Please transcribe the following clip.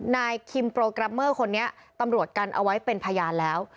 นายคิมโปรแกรมเมอร์คนนี้ตำรวจกันเอาไว้เป็นพยานแล้ว